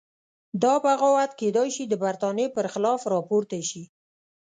دا بغاوت کېدای شي د برتانیې په خلاف راپورته شي.